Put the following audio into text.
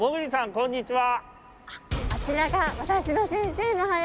こんにちは。